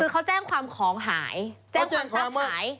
คือเขาแจ้งความของหายแจ้งความตามหมาย